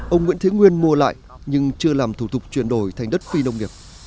ông nguyễn thế nguyên mua lại nhưng chưa làm thủ tục chuyển đổi thành đất phi nông nghiệp